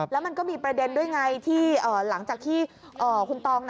แล้วมันก็มีประเด็นด้วยไงที่หลังจากที่คุณตอง